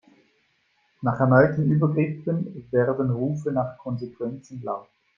Nach erneuten Übergriffen werden Rufe nach Konsequenzen laut.